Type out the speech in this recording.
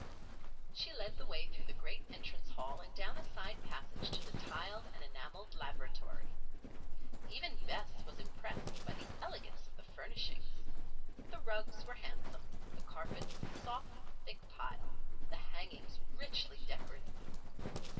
She led the way through the great entrance hall and down a side passage to the tiled and enameled lavatory. Even Bess was impressed by the elegance of the furnishings. The rugs were handsome, the carpets soft, thick pile, the hangings richly decorative.